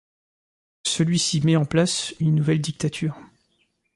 Celui-ci met en place une nouvelle dictature.